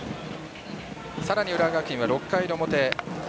さらに浦和学院は６回の表。